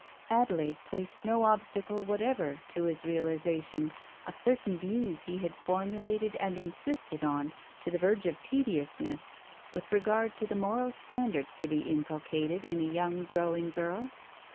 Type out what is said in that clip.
Adelaide placed no obstacle whatever to his realization of certain views he had formulated and insisted on to the verge of tediousness with regard to the moral standards to be inculcated in a young growing girl.